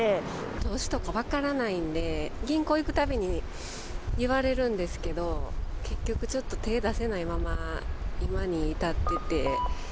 投資とか分からないんで、銀行行くたびに言われるんですけど、結局、ちょっと手ぇ出せないまま今に至ってて。